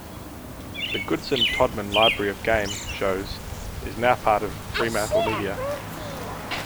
The Goodson-Todman library of game shows is now part of FremantleMedia.